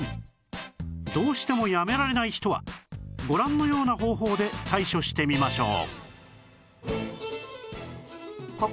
どうしてもやめられない人はご覧のような方法で対処してみましょう